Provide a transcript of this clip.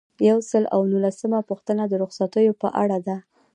یو سل او نولسمه پوښتنه د رخصتیو په اړه ده.